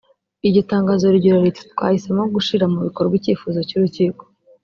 Iryo tangazo rigira riti “Twahisemo gushira mu bikorwa icyifuzo cy’urukiko